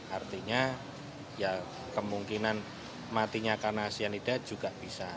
artinya ya kemungkinan matinya karena cyanida juga bisa